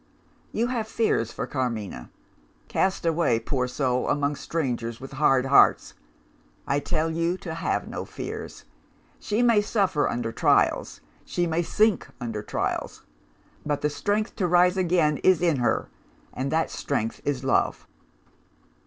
You have fears for Carmina cast away, poor soul, among strangers with hard hearts! I tell you to have no fears. She may suffer under trials; she may sink under trials. But the strength to rise again is in her and that strength is Love.